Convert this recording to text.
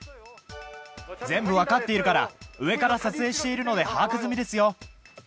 全部分かっているから、上から撮影しているので把握済みですよ。